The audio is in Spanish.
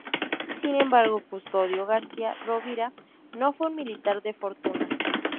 Sin embargo, Custodio García Rovira no fue un militar de fortuna.